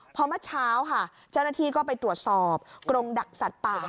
พอเมื่อเช้าค่ะเจ้าหน้าที่ก็ไปตรวจสอบกรงดักสัตว์ป่า